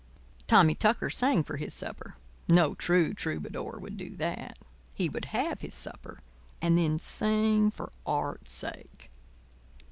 Tommy Tucker sang for his supper. No true troubadour would do that. He would have his supper, and then sing for Art's sake.